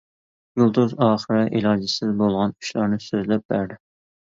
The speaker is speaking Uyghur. يۇلتۇز ئاخىرى ئىلاجىسىز بولغان ئىشلارنى سۆزلەپ بەردى.